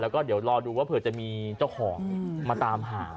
แล้วก็เดี๋ยวรอดูว่าเผื่อจะมีเจ้าของมาตามหา